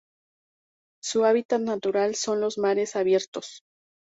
Su hábitat natural son los mares abiertos.